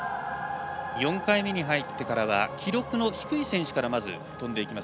４回目に入ってからは記録の低い選手からまず、跳んでいきます。